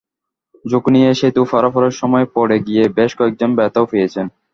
ঝুঁকি নিয়ে সেতু পারাপারের সময় পড়ে গিয়ে বেশ কয়েকজন ব্যথাও পেয়েছেন।